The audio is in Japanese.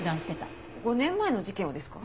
５年前の事件をですか？